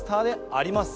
あります。